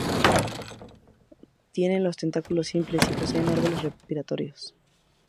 Tienen los tentáculos simples y poseen árboles respiratorios.